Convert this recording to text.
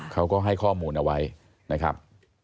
เขาก็ให้ข้อมูลเอาไว้นะครับ